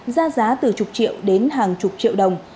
ra giá từ chục triệu đến hàng chục triệu đồng